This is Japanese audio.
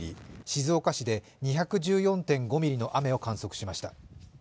静岡市で２１４．５ミリの雨を観測しました。